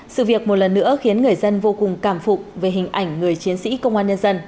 sự việc một lần nữa khiến người dân vô cùng cảm phục về hình ảnh người chiến sĩ công an nhân dân